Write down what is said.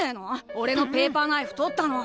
おれのペーパーナイフとったの。